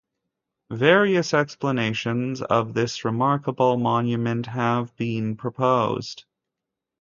Various explanations of this remarkable monument have been proposed.